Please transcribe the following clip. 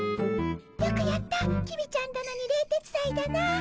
よくやった公ちゃん殿に冷徹斎殿！